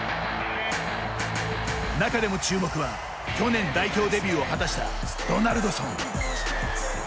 中でも注目は去年代表デビューを果たしたドナルドソン。